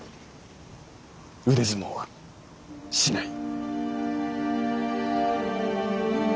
腕相撲はしない。